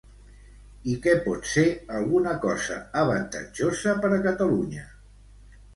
I que pot ser alguna cosa avantatjosa per a Catalunya?